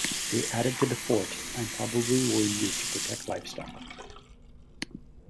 They added to the fort and probably were used to protect livestock.